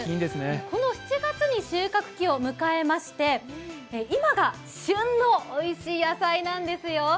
この７月に収穫期を迎えまして今が旬のおいしい野菜なんですよ。